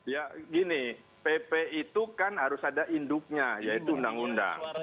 ya gini pp itu kan harus ada induknya yaitu undang undang